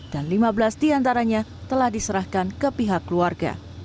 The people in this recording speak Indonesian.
dan lima belas diantaranya telah diserahkan ke pihak keluarga